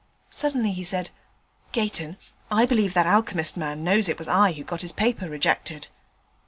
Suddenly he said, 'Gayton, I believe that alchemist man knows it was I who got his paper rejected.'